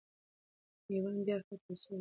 میوند به بیا فتح سوی وو.